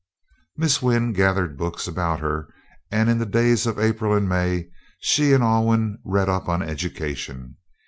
Miss Wynn gathered books about her, and in the days of April and May she and Alwyn read up on education.